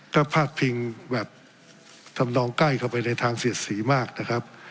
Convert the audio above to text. ก็พาดพิงแบบทำนองใกล้เข้าไปในทางเสียดสีมากนะครับ